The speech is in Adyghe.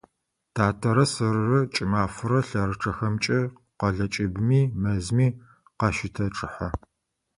Татэрэ сэрырэ кӀымафэрэ лъэрычъэхэмкӀэ къэлэ кӀыбыми, мэзми къащытэчъыхьэ.